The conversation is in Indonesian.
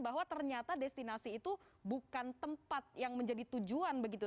bahwa ternyata destinasi itu bukan tempat yang menjadi tujuan begitu